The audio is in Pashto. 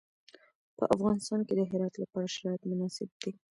په افغانستان کې د هرات لپاره شرایط مناسب دي.